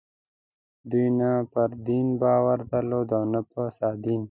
دوی نه پر دین باور درلود او نه پر سادین.